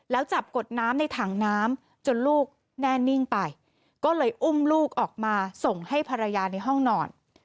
แล้วจับกดน้ำในถังน้ำจนลูกแน่นิ่งไปก็เลยอุ้มลูกออกมาส่งให้ภรรยาในห้องนอน